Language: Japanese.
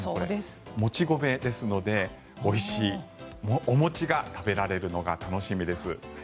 餅米ですのでおいしいお餅が食べられるのが楽しみです。